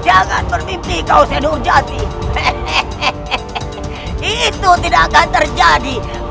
jangan berpimpin kau sedujati itu tidak akan terjadi